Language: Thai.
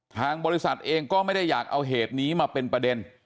ทางบริษัทเองก็ไม่ได้อยากเอาเหตุนี้มาเป็นประเด็น